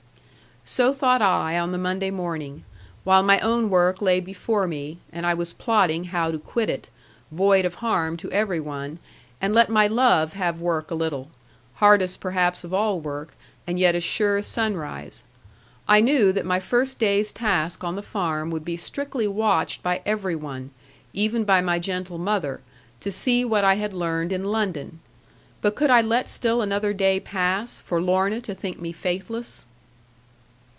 So thought I on the Monday morning; while my own work lay before me, and I was plotting how to quit it, void of harm to every one, and let my love have work a little hardest perhaps of all work, and yet as sure as sunrise. I knew that my first day's task on the farm would be strictly watched by every one, even by my gentle mother, to see what I had learned in London. But could I let still another day pass, for Lorna to think me faithless?